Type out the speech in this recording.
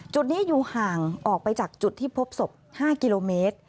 จุดนี้อยู่ห่างออกไปจากจุดที่พบศพ๕กิโลเมตร